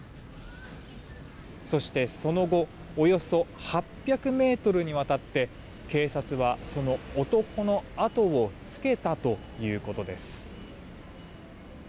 そして、その後およそ８００ｍにわたって警察はその男の後をつけたということです。